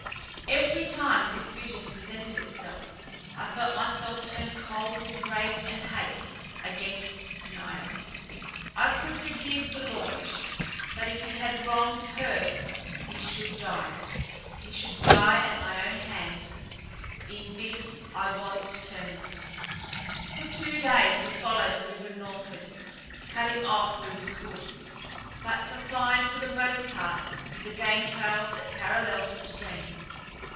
Every time this vision presented itself I felt myself turn cold with rage and hate against Snider. I could forgive the launch, but if he had wronged her he should die—he should die at my own hands; in this I was determined. For two days we followed the river northward, cutting off where we could, but confined for the most part to the game trails that paralleled the stream.